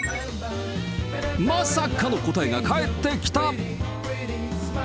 まさかの答えが返ってきた。